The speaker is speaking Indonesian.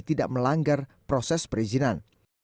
tidak melanggar proses perizinan